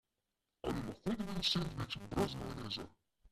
Ali lahko dobim sendvič brez majoneze?